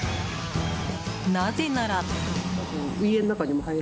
なぜなら。